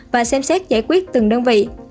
và xem xét giải quyết từng đơn vị